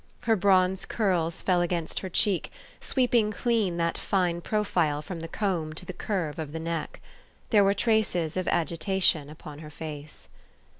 Her bronze curls fell against her cheek, sweeping clean that fine profile from the comb to the curve of the neck. There were traces of agitation upon her face.